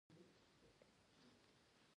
ایا ستاسو کوڅه به خاموشه وي؟